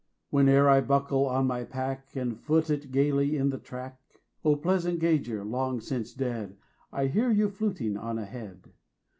Whene'er I buckle on my pack 5 And foot it gaily in the track, O pleasant gauger, long since dead, I hear you fluting on ahead.